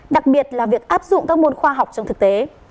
đặc biệt là việc áp dụng các môn khoa học trong thực tế